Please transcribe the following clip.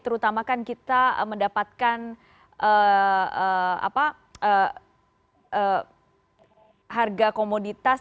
terutamakan kita mendapatkan harga komoditas